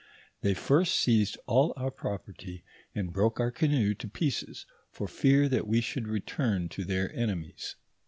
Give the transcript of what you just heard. They first seized all our property, and broke our canoe to pieces, for fear we should return to their enemies.